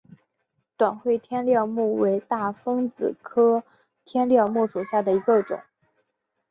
短穗天料木为大风子科天料木属下的一个种。